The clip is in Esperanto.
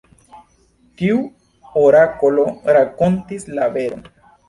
Tiu orakolo rakontis la veron.